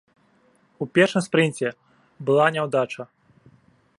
У першым спрынце была няўдача.